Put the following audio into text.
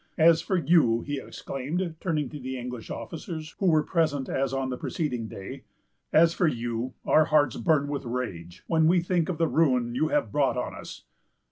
As for you," he exclaimed, turning to the English officers, who were present as on the preceding day,——"as for you, our hearts burn with rage when we think of the ruin you have brought on us."